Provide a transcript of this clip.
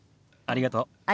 ありがとう。